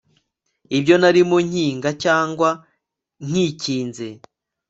ibyo narimo nkinga cyangwa nkikinze